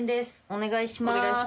お願いします。